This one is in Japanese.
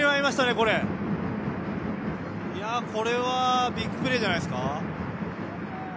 これはビッグプレーじゃないですか。